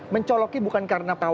mencoloknya bukan karena pawakannya